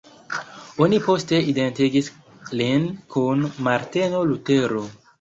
Oni poste identigis lin kun Marteno Lutero.